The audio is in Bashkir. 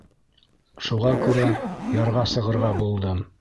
Шуға күрә ярға сығырға булдым.